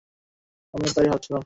আমিও তাই ভাবছিলাম!